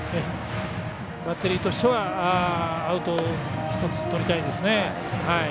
バッテリーとしてはアウトを１つとりたいですね。